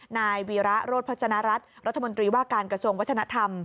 นายวีระโรธพัฒนรัฐรัฐมนตรีว่าการกระทรวงวัฒนธรรม